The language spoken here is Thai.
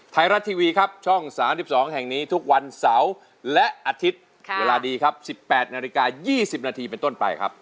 ไทยรัฐทีวีครับช่อง๓๒แห่งนี้ทุกวันเสาร์และอาทิตย์เวลาดีครับ๑๘นาฬิกา๒๐นาทีเป็นต้นไปครับ